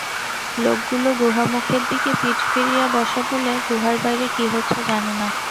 লোকগুলো গুহামুখের দিকে পিঠ ফিরিয়ে বসা বলে, গুহার বাইরে কী হচ্ছে জানে না।